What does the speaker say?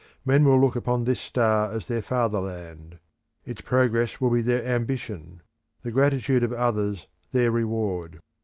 Men will look upon this star as their fatherland; its progress will be their ambition; the gratitude of others their reward.